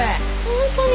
本当に。